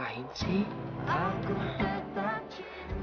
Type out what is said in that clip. aku tetap cantik